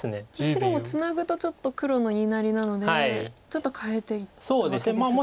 白もツナぐとちょっと黒の言いなりなのでちょっと変えていったわけですが。